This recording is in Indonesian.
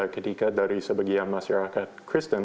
ketika dari sebagian masyarakat kristen